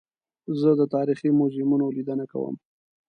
زه د تاریخي موزیمونو لیدنه کوم.